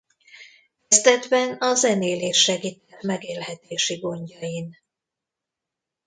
Kezdetben a zenélés segített megélhetési gondjain.